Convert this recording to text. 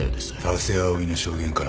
田瀬葵の証言からは？